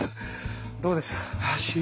どうでした？